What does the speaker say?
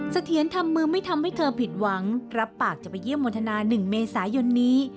เสถียรทำมือไม่ทำให้เธอผิดหวังรับปากจะไปเยี่ยมโมทนา๑เมษายนนี้